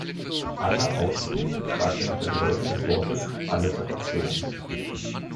Anna Austen fragte nach der Bedeutung des Wortes „Alliteration“.